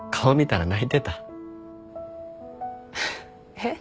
えっ？